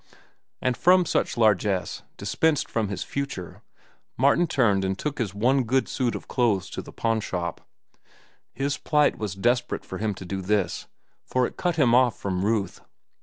And from such largess, dispensed from his future, Martin turned and took his one good suit of clothes to the pawnshop. His plight was desperate for him to do this, for it cut him off from Ruth.